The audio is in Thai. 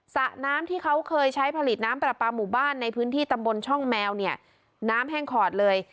สระน้ำที่เขาเคยใช้ผลิตน้ำปลาปลาหมู่บ้านในพื้นที่ตำบลช่องแมวเนี่ยน้ำแห้งขอดเลย